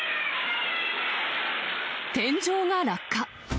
天井が落下。